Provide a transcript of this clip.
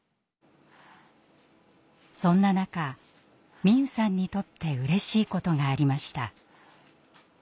そんな中美夢さんにとってうれしいことがありました。